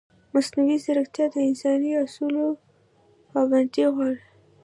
مصنوعي ځیرکتیا د انساني اصولو پابندي غواړي.